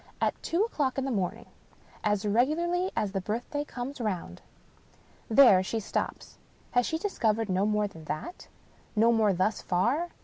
At two o'clock in the moming. As regularly as the birthday comes round." There she stops. Has she discovered no more than that ? No more thus far.